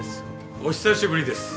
お久しぶりです。